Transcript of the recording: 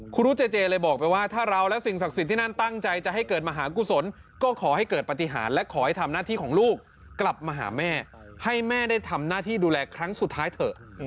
ครูรุเจเจเลยบอกไปว่าถ้าเราและสิ่งศักดิ์สิทธิ์ที่นั่นตั้งใจจะให้เกิดมหากุศลก็ขอให้เกิดปฏิหารและขอให้ทำหน้าที่ของลูกกลับมาหาแม่ให้แม่ได้ทำหน้าที่ดูแลครั้งสุดท้ายเถอะ